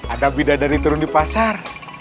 ada bidadari turun di pasar